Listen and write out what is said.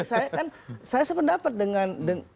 saya kan saya sependapat dengan